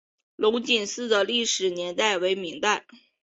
龙井寺的历史年代为明代。